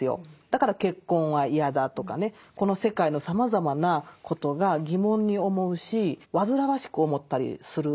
だから結婚は嫌だとかねこの世界のさまざまなことが疑問に思うし煩わしく思ったりする。